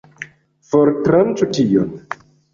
Fortranĉu tion!